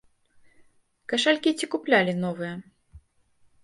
Кашалькі ці куплялі новыя?